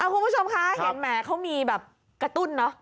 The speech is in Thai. คุณผู้ชมคะเห็นแหมเขามีแบบกระตุ้นเนอะ